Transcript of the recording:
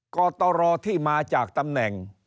กตรที่มาจากตำแหน่ง